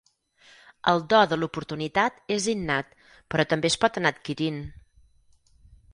El do de l'oportunitat és innat, però també es pot anar adquirint.